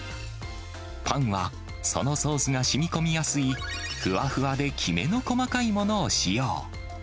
パンはそのソースがしみこみやすい、ふわふわできめの細かいものを使用。